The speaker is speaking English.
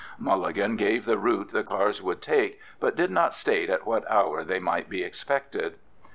Mulligan gave the route the cars would take, but did not state at what hour they might be expected.